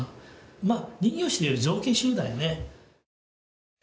まあ人形師という造形集団やね。